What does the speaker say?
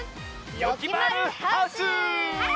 「よきまるハウス」！